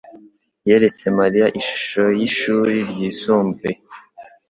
yeretse Mariya ishusho yishuri ryisumbuye.